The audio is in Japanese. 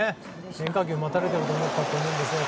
変化球待たれてたと思うんですが。